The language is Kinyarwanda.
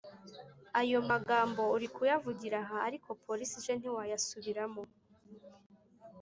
ayo magambo uri kuyavugira aha ariko polisi ije ntiwayasubiramo